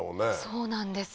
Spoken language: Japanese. そうなんですよ。